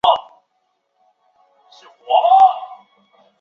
陈立谦毕业于台湾朝阳科技大学传播艺术系。